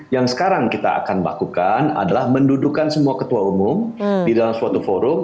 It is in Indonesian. yang sekarang kita akan bakukan adalah mendudukan semua ketua umum di dalam suatu forum